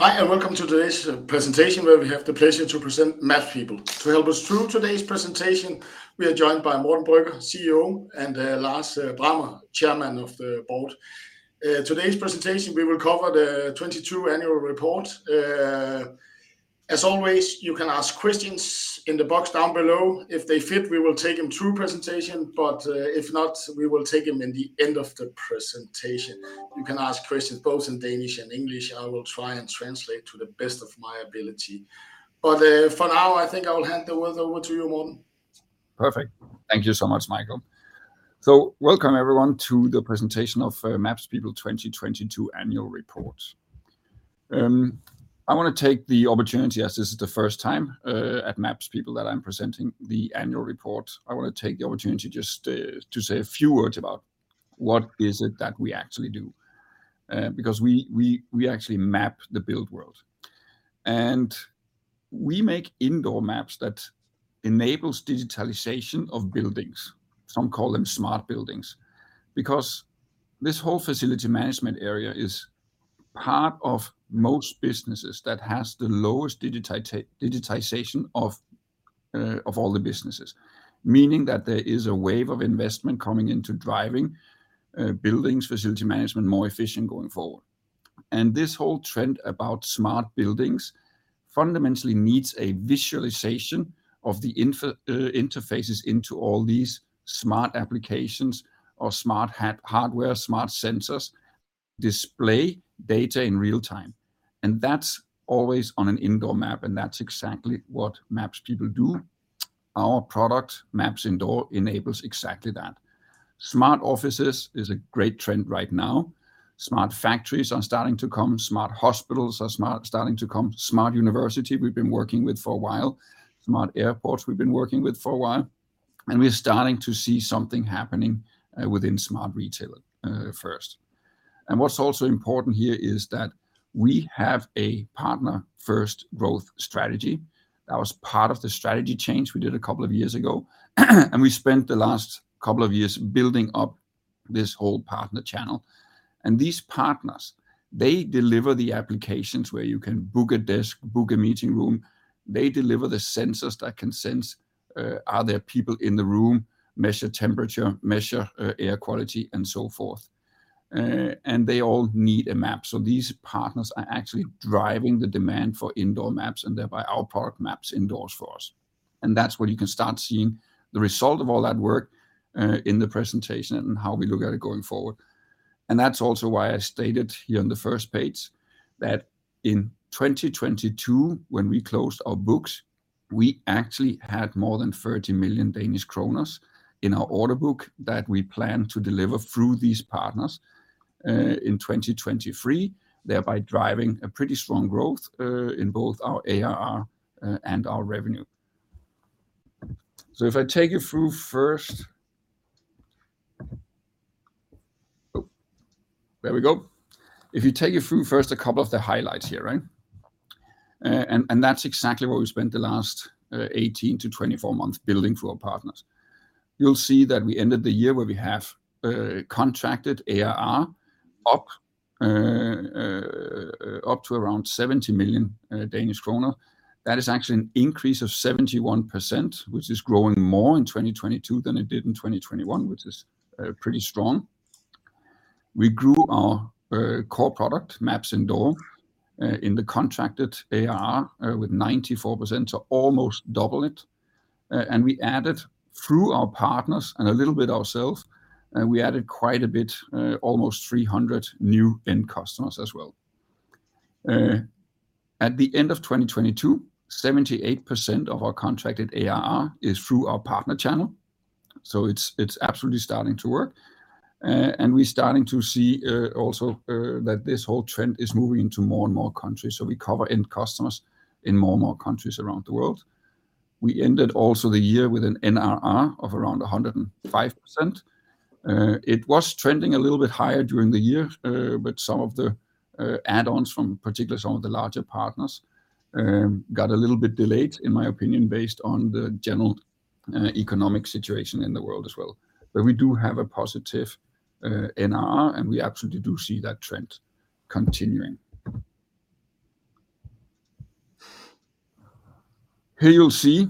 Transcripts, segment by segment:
Hi, welcome to today's presentation where we have the pleasure to present MapsPeople. To help us through today's presentation, we are joined by Morten Brøgger, CEO, and Lars Brammer, Chairman of the Board. Today's presentation, we will cover the 2022 annual report. As always, you can ask questions in the box down below. If they fit, we will take them through presentation, if not, we will take them in the end of the presentation. You can ask questions both in Danish and English. I will try and translate to the best of my ability. For now, I think I will hand the word over to you, Morten. Perfect. Thank you so much, Michael. Welcome everyone to the presentation of MapsPeople 2022 annual report. I wanna take the opportunity, as this is the first time at MapsPeople that I'm presenting the annual report, I wanna take the opportunity just to say a few words about what is it that we actually do. Because we actually map the build world. We make indoor maps that enables digitalization of buildings, some call them smart buildings, because this whole facility management area is part of most businesses that has the lowest digitization of all the businesses, meaning that there is a wave of investment coming into driving buildings, facility management more efficient going forward. This whole trend about smart buildings fundamentally needs a visualization of the interfaces into all these smart applications or smart hardware, smart sensors, display data in real time, and that's always on an indoor map, and that's exactly what MapsPeople do. Our product, MapsIndoors, enables exactly that. Smart offices is a great trend right now. Smart factories are starting to come. Smart hospitals are starting to come. Smart university, we've been working with for a while. Smart airports, we've been working with for a while. We're starting to see something happening within smart retail at first. What's also important here is that we have a partner-first growth strategy. That was part of the strategy change we did a couple of years ago, and we spent the last couple of years building up this whole partner channel. These partners, they deliver the applications where you can book a desk, book a meeting room. They deliver the sensors that can sense, are there people in the room, measure temperature, measure air quality, and so forth. They all need a map. These partners are actually driving the demand for indoor maps, and thereby our product MapsIndoors for us. That's where you can start seeing the result of all that work in the presentation and how we look at it going forward. That's also why I stated here on the first page that in 2022, when we closed our books, we actually had more than 30 million Danish kroner in our order book that we plan to deliver through these partners in 2023, thereby driving a pretty strong growth in both our ARR and our revenue. If you take you through first a couple of the highlights here, right? And that's exactly what we spent the last 18-24 months building through our partners. You'll see that we ended the year where we have contracted ARR up to around 70 million Danish kroner. That is actually an increase of 71%, which is growing more in 2022 than it did in 2021, which is pretty strong. We grew our core product, MapsIndoors, in the contracted ARR with 94%, so almost double it. And we added through our partners and a little bit ourself, we added quite a bit, almost 300 new end customers as well. At the end of 2022, 78% of our contracted ARR is through our partner channel, it's absolutely starting to work. We're starting to see also that this whole trend is moving into more and more countries, we cover end customers in more and more countries around the world. We ended also the year with an NRR of around 105%. It was trending a little bit higher during the year, some of the add-ons from particularly some of the larger partners got a little bit delayed, in my opinion, based on the general economic situation in the world as well. We do have a positive NRR, we absolutely do see that trend continuing. Here you'll see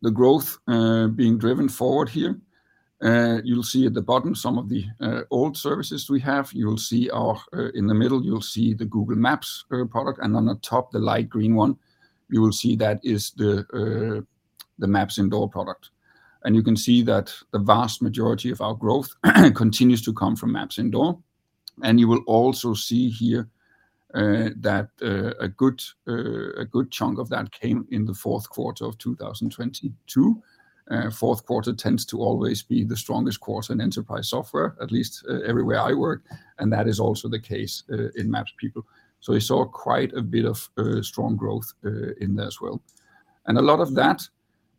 the growth being driven forward here. You'll see at the bottom some of the old services we have. You'll see our In the middle, you'll see the Google Maps product, and on the top, the light green one, you will see that is the MapsIndoors product. You can see that the vast majority of our growth continues to come from MapsIndoors. You will also see here that a good a good chunk of that came in the fourth quarter of 2022. Fourth quarter tends to always be the strongest quarter in enterprise software, at least, everywhere I work, and that is also the case in MapsPeople. We saw quite a bit of strong growth in there as well. A lot of that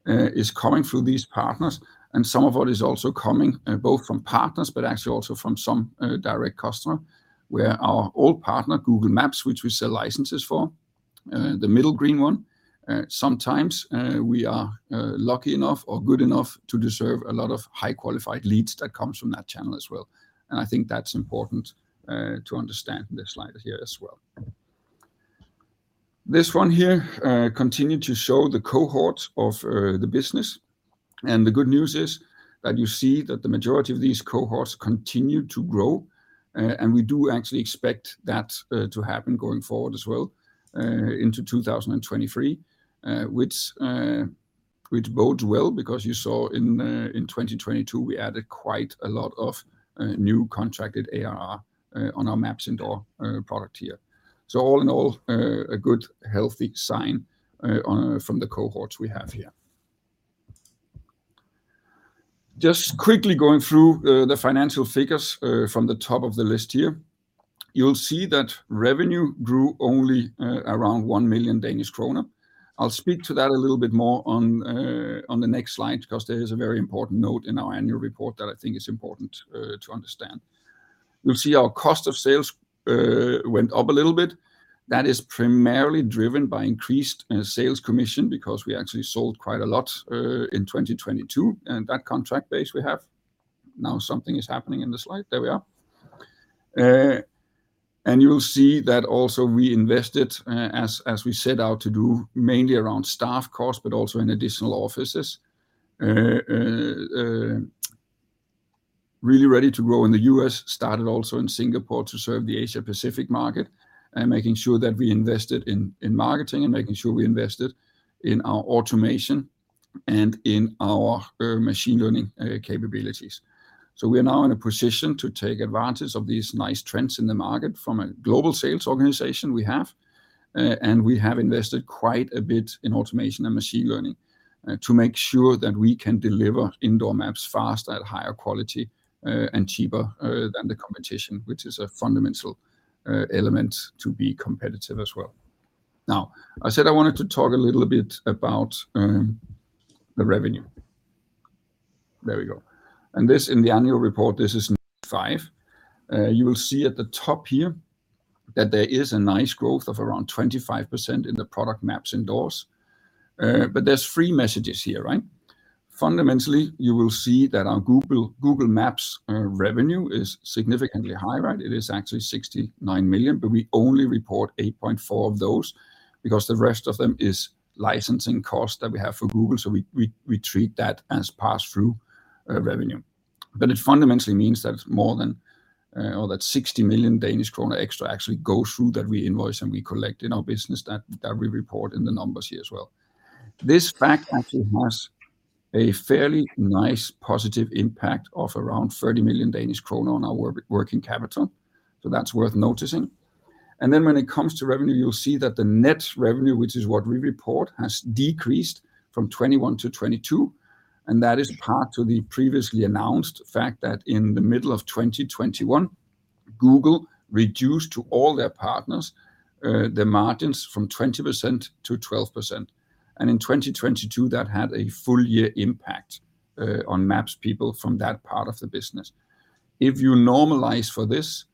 is coming through these partners, and some of what is also coming, both from partners, but actually also from some direct customer, where our old partner, Google Maps, which we sell licenses for. The middle green one, sometimes, we are lucky enough or good enough to deserve a lot of high-qualified leads that comes from that channel as well. I think that's important to understand this slide here as well. This one here, continue to show the cohorts of the business, and the good news is that you see that the majority of these cohorts continue to grow. We do actually expect that to happen going forward as well, into 2023, which bodes well because you saw in 2022 we added quite a lot of new contracted ARR on our MapsIndoors product here. All in all a good healthy sign on from the cohorts we have here. Just quickly going through the financial figures from the top of the list here. You'll see that revenue grew only around 1 million Danish kroner. I'll speak to that a little bit more on the next slide because there is a very important note in our annual report that I think is important to understand. You'll see our cost of sales went up a little bit. That is primarily driven by increased sales commission because we actually sold quite a lot in 2022, and that contract base we have. Now something is happening in the slide. There we are. You'll see that also we invested as we set out to do mainly around staff costs, but also in additional offices, really ready to grow in the U.S., started also in Singapore to serve the Asia Pacific market and making sure that we invested in marketing and making sure we invested in our automation and in our machine learning capabilities. We are now in a position to take advantage of these nice trends in the market from a global sales organization we have. We have invested quite a bit in automation and machine learning to make sure that we can deliver indoor maps fast at higher quality and cheaper than the competition, which is a fundamental element to be competitive as well. Now, I said I wanted to talk a little bit about the revenue. There we go. This in the annual report, this is five. You will see at the top here that there is a nice growth of around 25% in the product MapsIndoors. There's three messages here, right? Fundamentally, you will see that our Google Maps revenue is significantly higher, right? It is actually 69 million, but we only report 8.4 million of those because the rest of them is licensing costs that we have for Google. We treat that as pass-through revenue. It fundamentally means that it's more than or that 60 million Danish kroner extra actually goes through that we invoice and we collect in our business that we report in the numbers here as well. This fact actually has a fairly nice positive impact of around 30 million Danish kroner on our working capital, so that's worth noticing. When it comes to revenue, you'll see that the net revenue, which is what we report, has decreased from 2021-2022, and that is part to the previously announced fact that in the middle of 2021, Google reduced to all their partners, the margins from 20%-12%. In 2022, that had a full year impact on MapsPeople from that part of the business. If you normalize for this,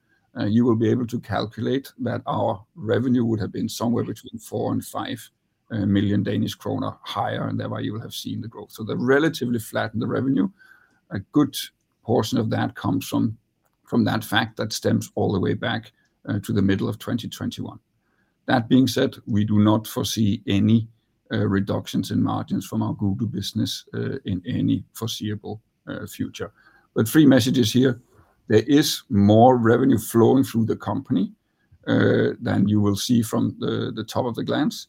you will be able to calculate that our revenue would have been somewhere between 4 million and 5 million Danish kroner higher, and thereby you will have seen the growth. The relatively flat in the revenue, a good portion of that comes from that fact that stems all the way back to the middle of 2021. That being said, we do not foresee any reductions in margins from our Google business in any foreseeable future. Three messages here. There is more revenue flowing through the company than you will see from the top of the glance.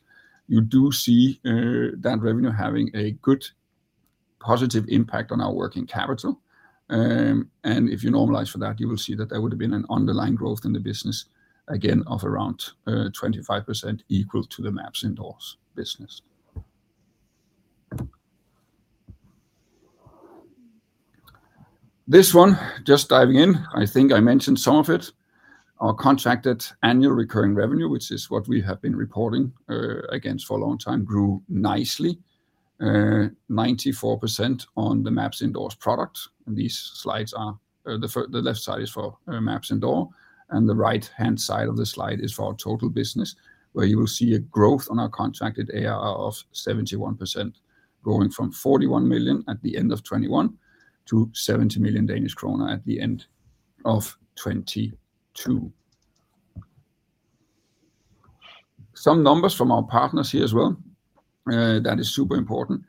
You do see that revenue having a good positive impact on our working capital. If you normalize for that, you will see that there would have been an underlying growth in the business again of around 25% equal to the MapsIndoors business. This one, just diving in, I think I mentioned some of it. Our contracted annual recurring revenue, which is what we have been reporting against for a long time, grew nicely, 94% on the MapsIndoors product. These slides are, the left side is for MapsIndoors, and the right-hand side of the slide is for our total business, where you will see a growth on our contracted ARR of 71%, growing from 41 million DKK at the end of 2021 to 70 million Danish krone at the end of 2022. Some numbers from our partners here as well, that is super important.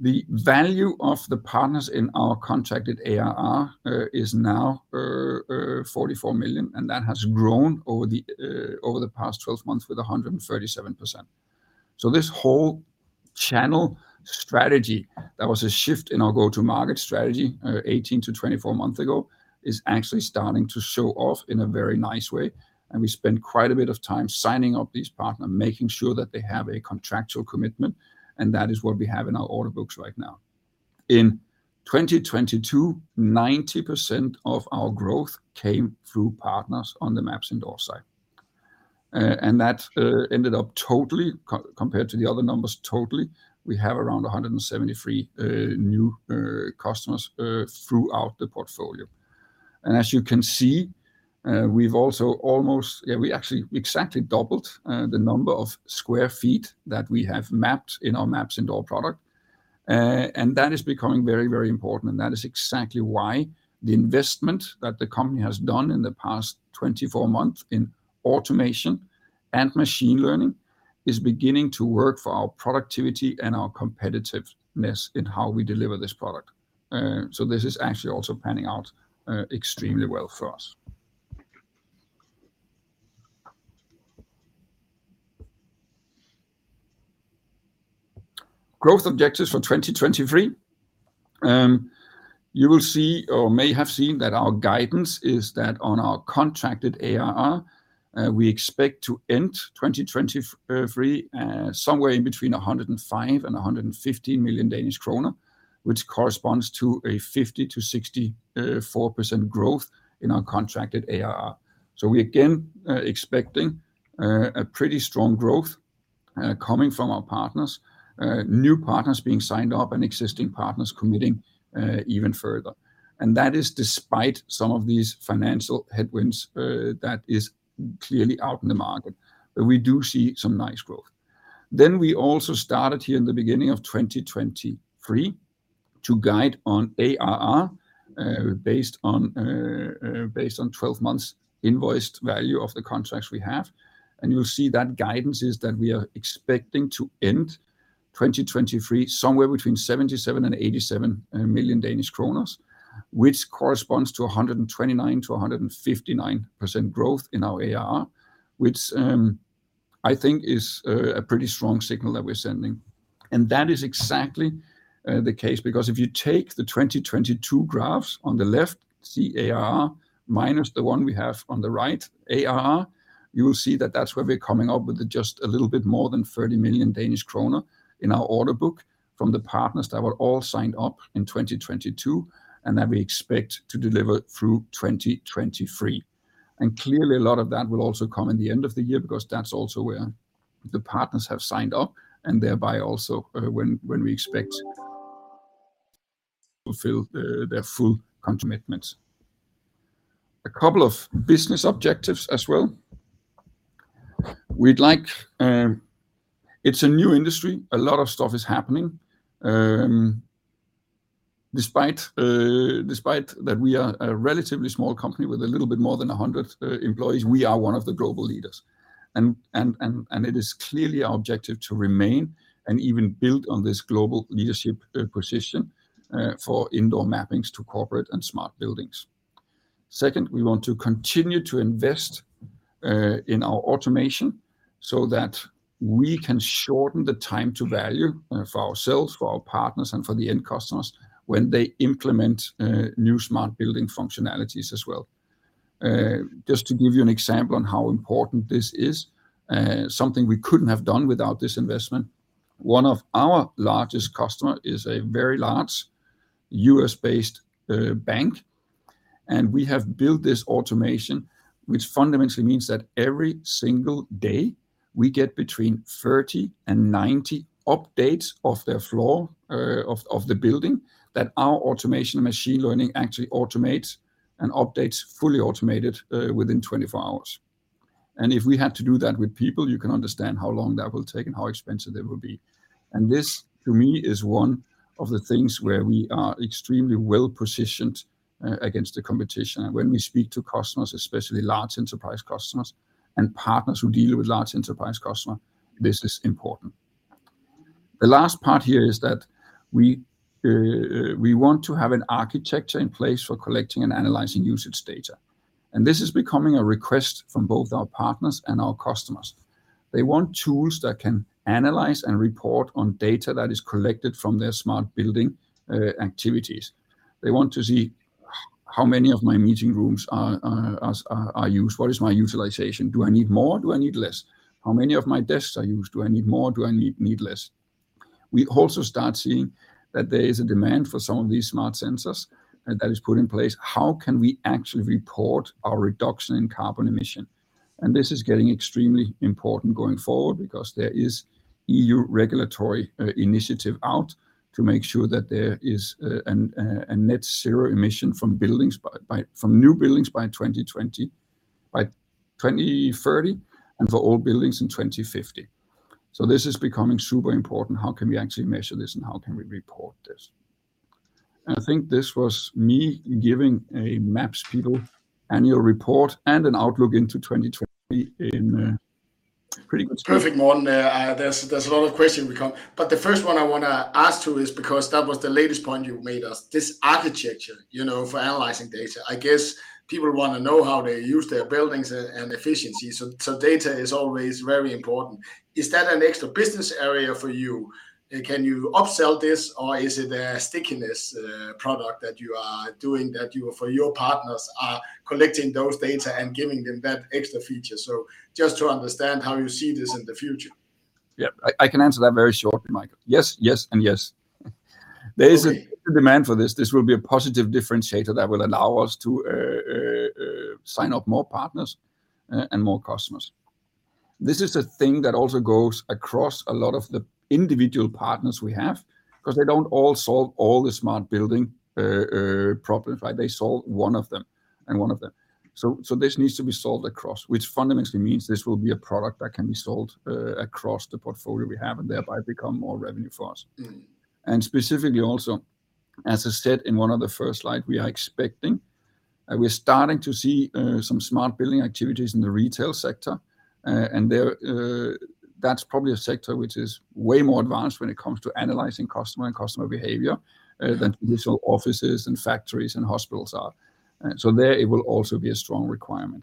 The value of the partners in our contracted ARR is now 44 million, and that has grown over the past 12 months with 137%. This whole channel strategy, that was a shift in our go-to-market strategy 18-24 months ago, is actually starting to show off in a very nice way. We spent quite a bit of time signing up these partners, making sure that they have a contractual commitment, and that is what we have in our order books right now. In 2022, 90% of our growth came through partners on the MapsIndoors side. That ended up totally co-compared to the other numbers, totally, we have around 173 new customers throughout the portfolio. As you can see, we've also almost. Yeah, we actually exactly doubled the number of sq ft that we have mapped in our MapsIndoors product. That is becoming very, very important, and that is exactly why the investment that the company has done in the past 24 months in automation and machine learning is beginning to work for our productivity and our competitiveness in how we deliver this product. This is actually also panning out extremely well for us. Growth objectives for 2023. You will see or may have seen that our guidance is that on our contracted ARR, we expect to end 2023, somewhere in between 105 million Danish kroner and DKK 150 million, which corresponds to a 50%-64% growth in our contracted ARR. We again, expecting a pretty strong growth coming from our partners. New partners being signed up and existing partners committing even further. That is despite some of these financial headwinds, that is clearly out in the market. We do see some nice growth. We also started here in the beginning of 2023 to guide on ARR, based on 12 months invoiced value of the contracts we have. You'll see that guidance is that we are expecting to end 2023 somewhere between 77 million and 87 million Danish kroner, which corresponds to 129%-159% growth in our ARR, which, I think is a pretty strong signal that we're sending. That is exactly the case, because if you take the 2022 graphs on the left, see ARR minus the one we have on the right, ARR, you will see that that's where we're coming up with just a little bit more than 30 million Danish kroner in our order book from the partners that were all signed up in 2022, and that we expect to deliver through 2023. Clearly, a lot of that will also come in the end of the year because that's also where the partners have signed up and thereby also, when we expect to fulfill their full commitments. A couple of business objectives as well. It's a new industry. A lot of stuff is happening. Despite that we are a relatively small company with a little bit more than 100 employees, we are one of the global leaders. It is clearly our objective to remain and even build on this global leadership position for indoor mappings to corporate and smart buildings. Second, we want to continue to invest in our automation so that we can shorten the time to value for ourselves, for our partners, and for the end customers when they implement new smart building functionalities as well. Just to give you an example on how important this is, something we couldn't have done without this investment. One of our largest customer is a very large U.S.-based bank, and we have built this automation, which fundamentally means that every single day, we get between 30 and 90 updates of their floor of the building that our automation and machine learning actually automates and updates, fully automated, within 24 hours. If we had to do that with people, you can understand how long that will take and how expensive that will be. This, to me, is one of the things where we are extremely well-positioned against the competition. When we speak to customers, especially large enterprise customers and partners who deal with large enterprise customer, this is important. The last part here is that we want to have an architecture in place for collecting and analyzing usage data. This is becoming a request from both our partners and our customers. They want tools that can analyze and report on data that is collected from their smart building activities. They want to see how many of my meeting rooms are used. What is my utilization? Do I need more? Do I need less? How many of my desks are used? Do I need more? Do I need less? We also start seeing that there is a demand for some of these smart sensors that is put in place. How can we actually report our reduction in carbon emission? This is getting extremely important going forward because there is EU regulatory initiative out to make sure that there is a net zero-emission from buildings from new buildings by 2030, and for old buildings in 2050. This is becoming super important. How can we actually measure this, and how can we report this? I think this was me giving a MapsPeople annual report and an outlook into 2020 in pretty good spirit. Perfect, Morten. There's a lot of question we got. The first one I wanna ask to is because that was the latest point you made us, this architecture for analyzing data. I guess people wanna know how they use their buildings and efficiency. Data is always very important. Is that an extra business area for you? Can you upsell this, or is it a stickiness product that you are doing that for your partners are collecting those data and giving them that extra feature? Just to understand how you see this in the future. Yeah. I can answer that very shortly, Michael. Yes, yes, and yes. Okay. There is a demand for this. This will be a positive differentiator that will allow us to sign up more partners and more customers. This is a thing that also goes across a lot of the individual partners we have, 'cause they don't all solve all the smart building problems, right? They solve one of them and one of them. This needs to be solved across, which fundamentally means this will be a product that can be sold across the portfolio we have, and thereby become more revenue for us. Mm. Specifically also, as I said in one of the first slide, we are expecting, and we're starting to see, some smart building activities in the retail sector. There, that's probably a sector which is way more advanced when it comes to analyzing customer and customer behavior, than traditional offices and factories and hospitals are. There it will also be a strong requirement.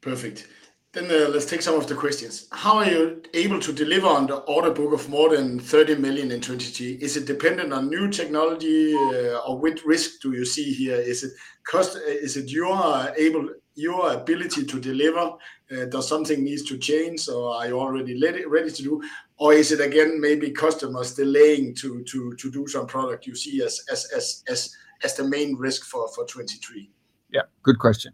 Perfect. Let's take some of the questions. How are you able to deliver on the order book of more than 30 million in 2023? Is it dependent on new technology? Or which risk do you see here? Is it your ability to deliver? Does something needs to change, or are you already ready to do? Is it again maybe customers delaying to do some product you see as the main risk for 2023? Yeah. Good question.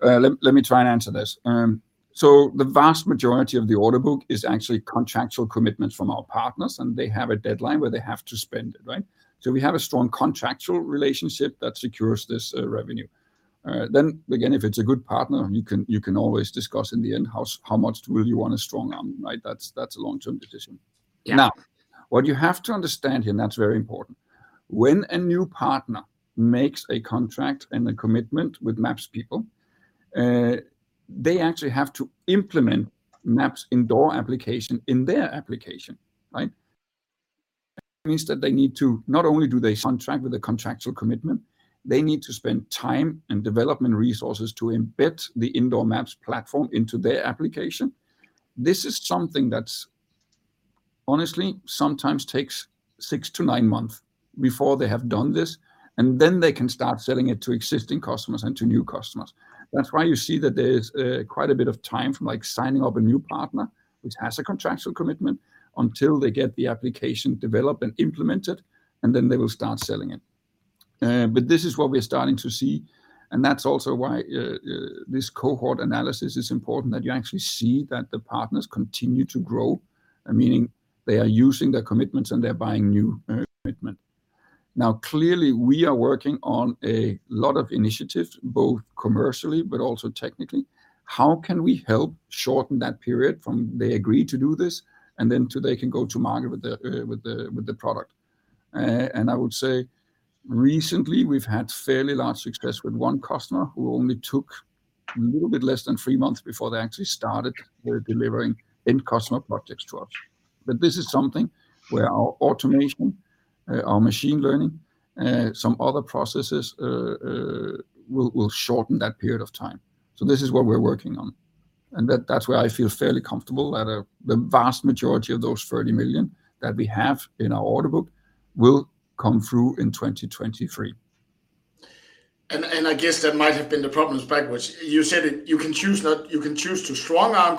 Let me try and answer this. The vast majority of the order book is actually contractual commitments from our partners, and they have a deadline where they have to spend it, right? We have a strong contractual relationship that secures this revenue. Again, if it's a good partner, you can always discuss in the end how much will you want to strong arm, right? That's a long-term decision. Yeah. What you have to understand here, and that's very important, when a new partner makes a contract and a commitment with MapsPeople, they actually have to implement Maps Indoor application in their application, right? That means that they need to not only do they sign track with a contractual commitment, they need to spend time and development resources to embed the indoor maps platform into their application. This is something that's honestly sometimes takes six to nine months before they have done this, and then they can start selling it to existing customers and to new customers. That's why you see that there's quite a bit of time from like signing up a new partner, which has a contractual commitment, until they get the application developed and implemented, and then they will start selling it. This is what we're starting to see, and that's also why this cohort analysis is important that you actually see that the partners continue to grow, meaning they are using their commitments and they're buying new commitment. Now, clearly we are working on a lot of initiatives, both commercially but also technically. How can we help shorten that period from they agree to do this, and then till they can go to market with the, with the product? I would say recently we've had fairly large success with one customer who only took a little bit less than three months before they actually started their delivering end customer projects to us. This is something where our automation, our machine learning, some other processes will shorten that period of time. This is what we're working on, and that's why I feel fairly comfortable that the vast majority of those 30 million that we have in our order book will come through in 2023. I guess that might have been the problems backwards. You said it, you can choose not, you can choose to strong arm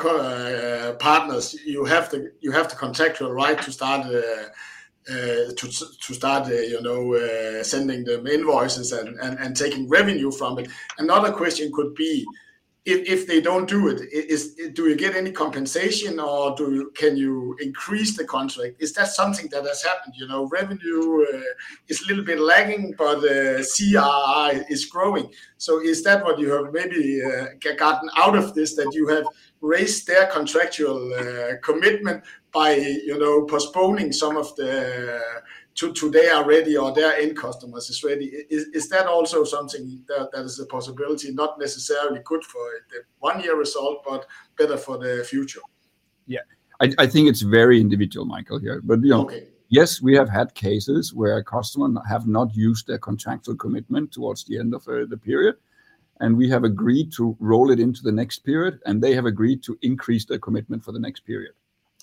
partners. You have to contractual right to start sending them invoices and taking revenue from it. Another question could be if they don't do it, do you get any compensation or do you? Can you increase the contract? Is that something that has happened? Revenue is a little bit lagging, but the CARR is growing. Is that what you have maybe gotten out of this, that you have raised their contractual commitment by postponing some of the, to they are ready or their end customers is ready? Is that also something that is a possibility? Not necessarily good for the one year result but better for the future. Yeah. I think it's very individual, Michael, here. Okay Yes, we have had cases where a customer have not used their contractual commitment towards the end of the period. We have agreed to roll it into the next period. They have agreed to increase their commitment for the next period.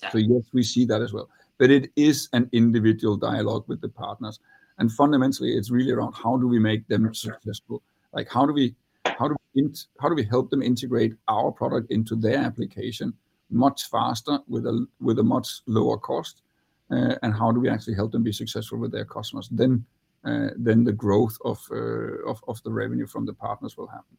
Okay. Yes, we see that as well. It is an individual dialogue with the partners, and fundamentally, it's really around how do we make them successful? Like how do we help them integrate our product into their application much faster with a much lower cost? How do we actually help them be successful with their customers? Then the growth of the revenue from the partners will happen.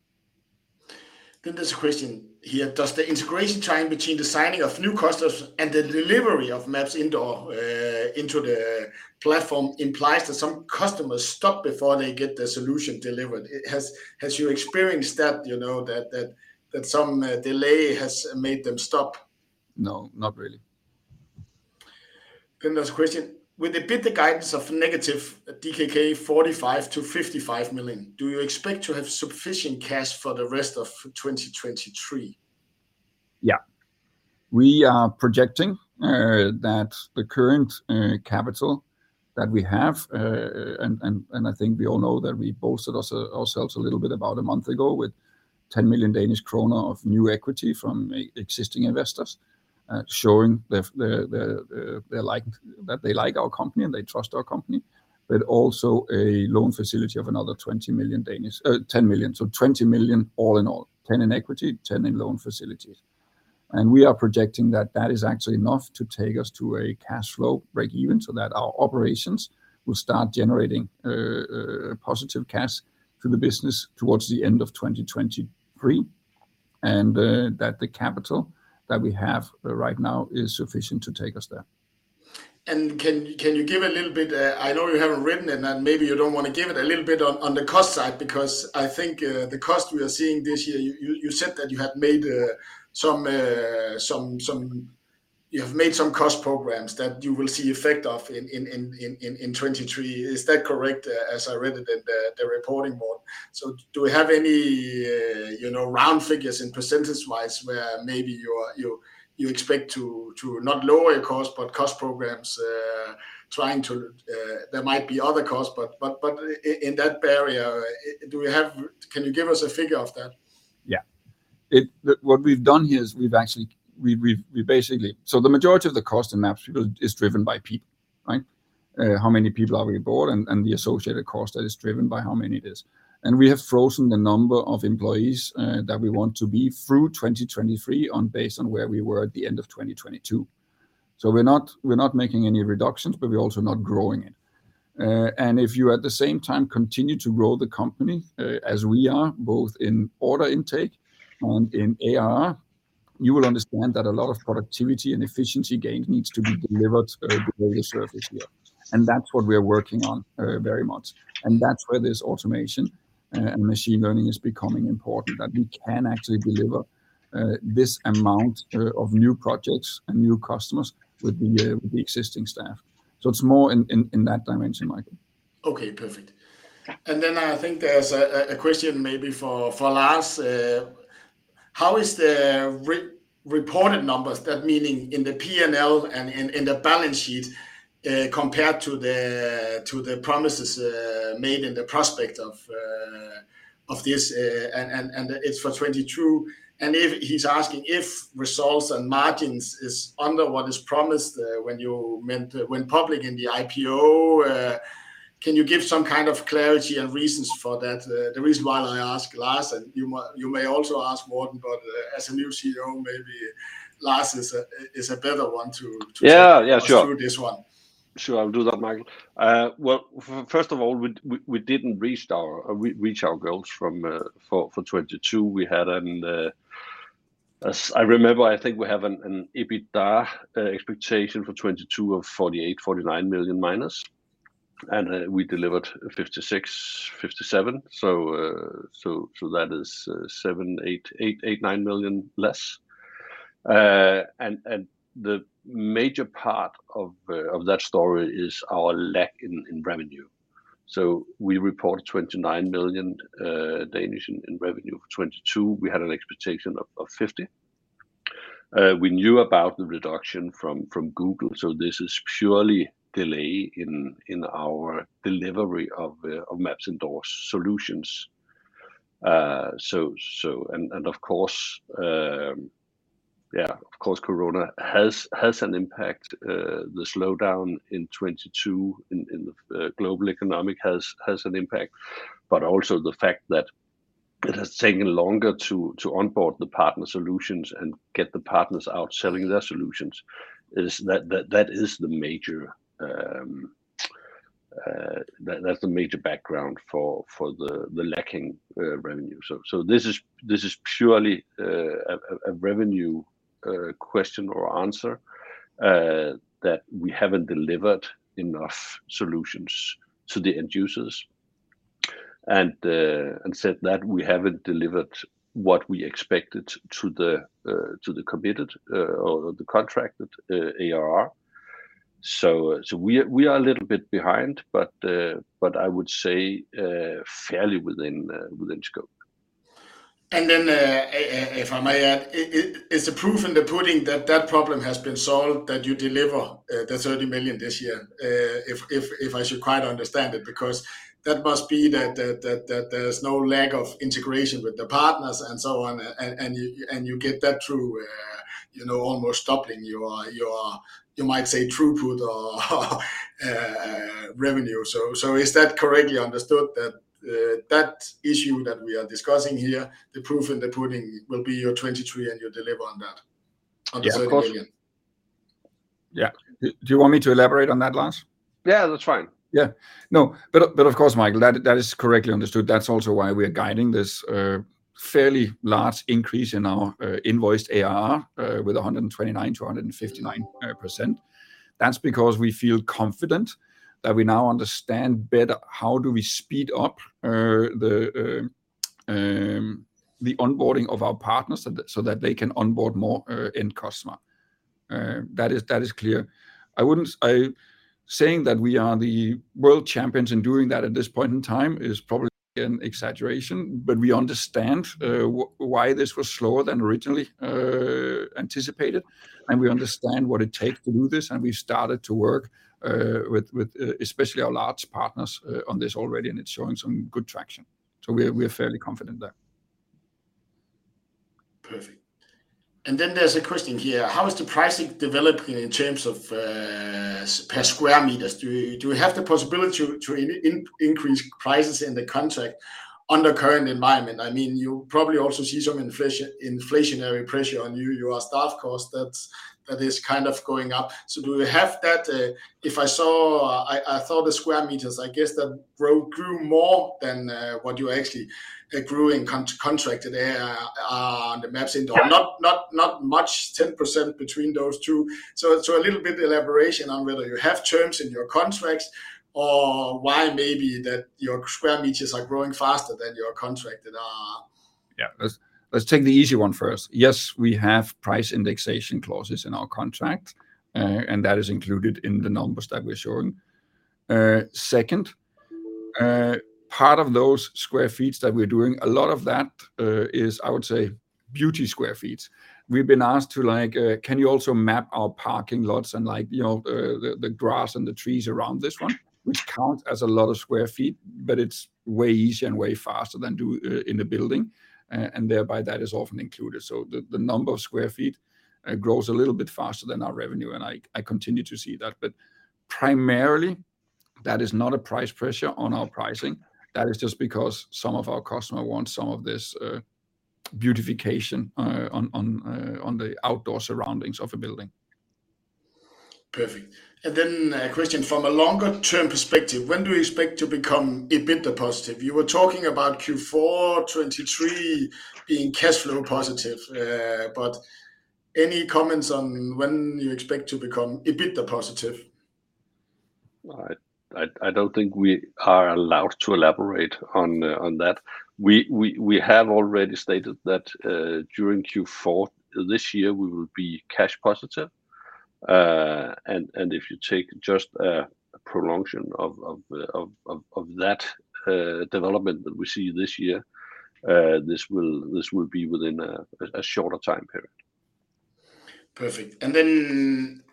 This question here, does the integration time between the signing of new customers and the delivery of MapsIndoors into the platform implies that some customers stop before they get their solution delivered? Has you experienced that some delay has made them stop? No, not really. This question. With the EBITDA guidance of negative DKK 45million -55 million, do you expect to have sufficient cash for the rest of 2023? Yeah. We are projecting that the current capital that we have, and I think we all know that we bolstered ourselves a little bit about a month ago with 10 million Danish kroner of new equity from existing investors, showing that they like our company and they trust our company, but also a loan facility of another 20 million, 10 million. 20 million all in all, 10 million in equity, 10 million in loan facilities. We are projecting that that is actually enough to take us to a cash flow breakeven so that our operations will start generating positive cash for the business towards the end of 2023, and that the capital that we have right now is sufficient to take us there. Can you give a little bit, I know you haven't written and that maybe you don't wanna give it, a little bit on the cost side, because I think, the cost we are seeing this year, you said that you had made some cost programs that you will see effect of in 2023. Is that correct, as I read it in the reporting board? Do we have any round figures in percentage-wise where maybe you expect to not lower your cost, but cost programs, trying to. There might be other costs, but in that area, do we have? Can you give us a figure of that? Yeah. What we've done here is we've actually, we've basically. The majority of the cost in MapsPeople is driven by people, right? How many people are we aboard and the associated cost that is driven by how many it is. We have frozen the number of employees that we want to be through 2023 on base on where we were at the end of 2022. We're not making any reductions, but we're also not growing it. If you at the same time continue to grow the company, as we are, both in order intake and in ARR, you will understand that a lot of productivity and efficiency gains needs to be delivered below the surface here, and that's what we are working on very much. That's where this automation and machine learning is becoming important, that we can actually deliver this amount of new projects and new customers with the existing staff. It's more in, in that dimension, Michael. Okay. Perfect. Yeah. I think there's a question maybe for Lars. How is the reported numbers, that meaning in the P&L and in the balance sheet, compared to the promises made in the prospectus for 2022? He's asking if results and margins is under what is promised when you went public in the IPO, can you give some kind of clarity and reasons for that? The reason why I ask Lars, and you may also ask Morten, but as a new CEO, maybe Lars is a better one to take us through this one. Yeah. Yeah, sure. Sure. I'll do that, Michael. Well, first of all, we didn't reached our goals for 2022. We had As I remember, I think we have an EBITDA expectation for 2022 of 48 million-49 million minus. We delivered 56 million, 57 million, so that is seven, eight, 9 million less. The major part of that story is our lack in revenue. We reported 29 million in revenue for 2022. We had an expectation of 50 million. We knew about the reduction from Google, this is purely delay in our delivery of MapsIndoors solutions. Of course, yeah, of course Corona has an impact. The slowdown in 2022 in the global economic has an impact, but also the fact that it has taken longer to onboard the partner solutions and get the partners out selling their solutions is. That is the major background for the lacking revenue. This is purely a revenue question or answer that we haven't delivered enough solutions to the end users. Said that we haven't delivered what we expected to the committed or the contracted ARR. We are a little bit behind, but I would say fairly within scope. If I may add, is the proof in the pudding that that problem has been solved, that you deliver the 30 million this year, if I should quite understand it? That must be that there's no lack of integration with the partners and so on, and you, and you get that through almost doubling your, you might say, throughput or revenue. Is that correctly understood, that issue that we are discussing here, the proof in the pudding will be your 2023 and you deliver on that, on the DKK 30 million? Yeah. Of course. Yeah. Do you want me to elaborate on that, Lars? Yeah. That's fine. No, but of course, Michael, that is correctly understood. That's also why we are guiding this fairly large increase in our invoiced ARR with 129%-159%, that's because we feel confident that we now understand better how do we speed up the onboarding of our partners so that they can onboard more end customer. That is clear. I wouldn't say that we are the world champions in doing that at this point in time is probably an exaggeration, but we understand why this was slower than originally anticipated, and we understand what it takes to do this, and we started to work with especially our large partners on this already, and it's showing some good traction. We are fairly confident there. Perfect. There's a question here, how is the pricing developing in terms of per square meters? Do you have the possibility to increase prices in the contract under current environment? I mean, you probably also see some inflationary pressure on your staff cost that is kind of going up. Do we have that? If I saw, I thought the square meters, I guess that grew more than what you actually grew in contract on the MapsIndoors. Yeah. Not much, 10% between those two. A little bit elaboration on whether you have terms in your contracts or why maybe that your square meters are growing faster than your contracted ARR. Let's take the easy one first. Yes, we have price indexation clauses in our contract, that is included in the numbers that we're showing. Second, part of those square feet that we're doing, a lot of that is I would say beauty square feet. We've been asked to like, can you also map our parking lots and like the grass and the trees around this one, which count as a lot of square feet, but it's way easier and way faster than do in the building. Thereby that is often included. The number of square feet grows a little bit faster than our revenue, and I continue to see that. Primarily, that is not a price pressure on our pricing. That is just because some of our customer want some of this beautification on the outdoor surroundings of a building. Perfect. Christian, from a longer term perspective, when do you expect to become EBITDA positive? You were talking about Q4 2023 being cash flow positive. Any comments on when you expect to become EBITDA positive? I don't think we are allowed to elaborate on that. We have already stated that during Q4 this year we will be cash positive. If you take just a prolongation of that development that we see this year, this will be within a shorter time period. Perfect.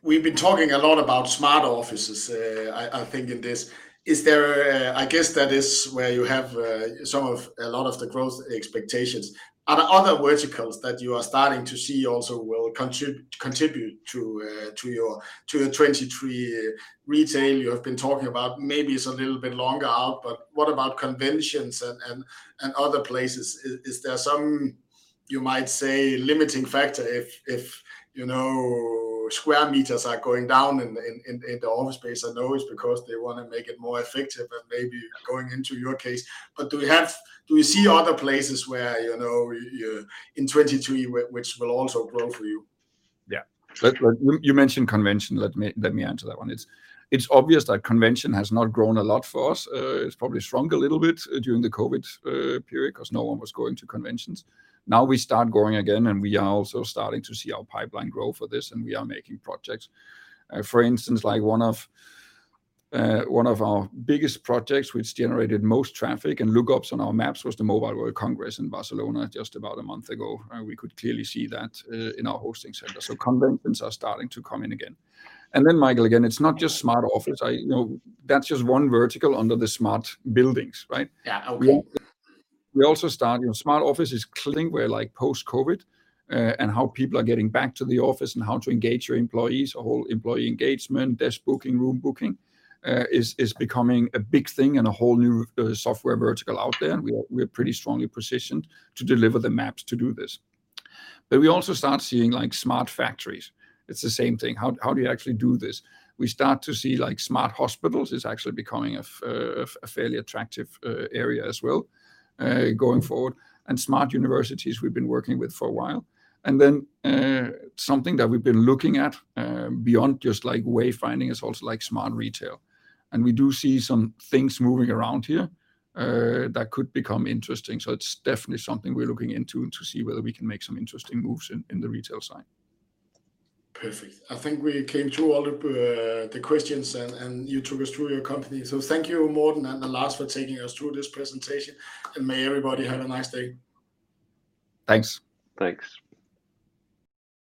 We've been talking a lot about smart offices, I think in this. Is there? I guess that is where you have some of a lot of the growth expectations. Are there other verticals that you are starting to see also will contribute to your, to the 2023 retail you have been talking about? Maybe it's a little bit longer out, what about conventions and other places? Is there some, you might say, limiting factor if square meters are going down in the office space? I know it's because they wanna make it more effective and maybe going into your case. Do we see other places where in 2023 which will also grow for you? Yeah. Like you mentioned convention. Let me answer that one. It's obvious that convention has not grown a lot for us. It's probably shrunk a little bit during the COVID period 'cause no one was going to conventions. Now we start growing again, we are also starting to see our pipeline grow for this, and we are making projects. For instance, like one of our biggest projects which generated most traffic and lookups on our maps was the Mobile World Congress in Barcelona just about a month ago. We could clearly see that in our hosting center. Conventions are starting to come in again. Michael, again, it's not just smart office. I, you know, that's just one vertical under the smart buildings, right? Yeah. Okay. We also start, you know, smart office is clearly where like post-COVID, and how people are getting back to the office and how to engage your employees, a whole employee engagement, desk booking, room booking, is becoming a big thing and a whole new software vertical out there. Yeah. We're pretty strongly positioned to deliver the maps to do this. We also start seeing like smart factories. It's the same thing. How do you actually do this? We start to see like smart hospitals is actually becoming a fairly attractive area as well going forward. Smart universities we've been working with for a while. Then something that we've been looking at beyond just like wayfinding is also like smart retail. We do see some things moving around here that could become interesting. It's definitely something we're looking into to see whether we can make some interesting moves in the retail side. Perfect. I think we came through all the questions and you took us through your company. Thank you Morten and Lars for taking us through this presentation, and may everybody have a nice day. Thanks. Thanks.